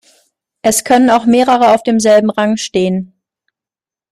Es können auch mehrere auf demselben Rang stehen.